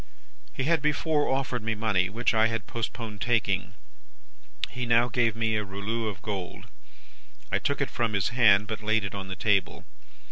"He had before offered me money, which I had postponed taking. He now gave me a rouleau of gold. I took it from his hand, but laid it on the table.